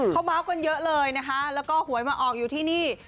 เขาเมาส์กันเยอะเลยนะคะแล้วก็หวยมาออกอยู่ที่นี่